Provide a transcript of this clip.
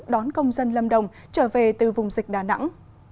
đón công dân lâm đồng trở về từ vùng dịch đà nẵng